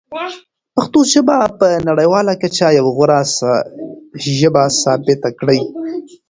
پښتو ژبه په نړیواله کچه یوه غوره ژبه ثابته کړئ.